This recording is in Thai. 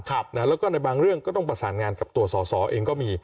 แล้วก็ในบางเรื่องก็ต้องประสานงานกับตัวสอสอเองก็มี